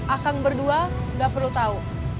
akang berdua gak perlu tahu